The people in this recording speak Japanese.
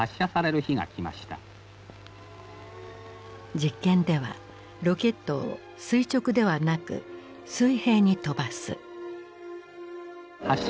実験ではロケットを垂直ではなく水平に飛ばす。